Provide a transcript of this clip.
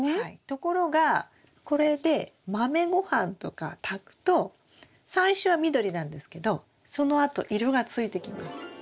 ところがこれで豆御飯とか炊くと最初は緑なんですけどそのあと色がついてきます。